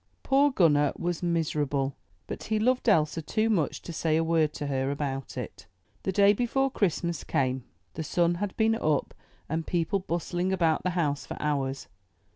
Poor Gunner was miserable, but he loved Elsa too much to say a word to her about it. The day before Christmas came; the sun had been up and people bustling about the house for hours.